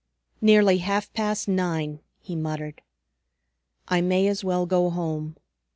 "Nearly half past nine," he muttered. "I may as well go home.